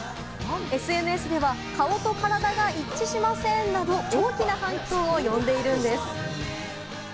ＳＮＳでは顔と体が一致しません！！など大きな反響を呼んでいるんです。